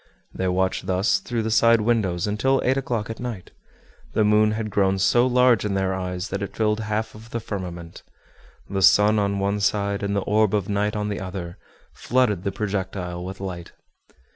They watched thus through the side windows until eight o'clock at night. The moon had grown so large in their eyes that it filled half of the firmament. The sun on one side, and the orb of night on the other, flooded the projectile with light.